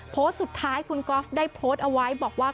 โพสต์สุดท้ายคุณก๊อฟได้โพสต์เอาไว้บอกว่า